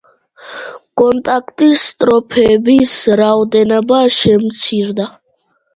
კონდაკის სტროფების რაოდენობა შემცირდა.